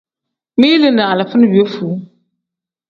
Mili ni alifa ni piyefuu.